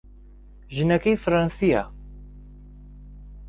ژنەکەی فەڕەنسییە.